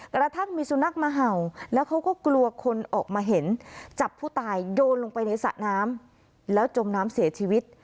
กระทั่งมีสุนัขมาเห่าแล้วเขาก็กลัวคนออกมาเห็นจับผู้ตายโยนลงไปในสระน้ำแล้วจมน้ำเสียชีวิต